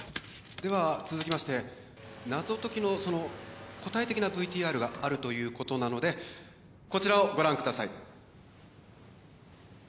では続きまして謎解きのその答え的なＶＴＲがあるということなのでこちらをご覧ください。